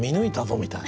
みたいなね。